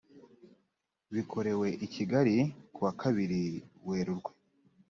bikorewe i kigali ku wa kabiri werurwe